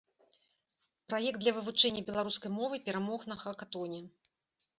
Праект для вывучэння беларускай мовы перамог на хакатоне.